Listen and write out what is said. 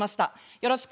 よろしく。